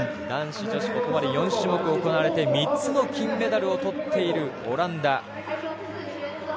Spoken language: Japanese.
男子、女子ここまで４種目行われて３つの金メダルを取っているオランダ。